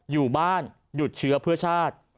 อยู่บ้านหยุดเชื้อเพื่อชาติ